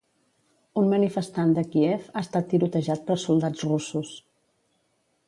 Un manifestant de Kiev ha estat tirotejat per soldats russos.